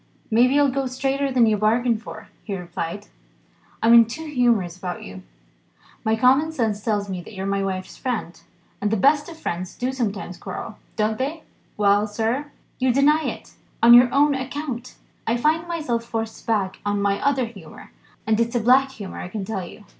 "Maybe I'll go straighter than you bargain for," he replied; "I'm in two humours about you. My common sense tells me that you're my wife's friend. And the best of friends do sometimes quarrel, don't they? Well, sir, you deny it, on your own account. I find myself forced back on my other humour and it's a black humour, I can tell you.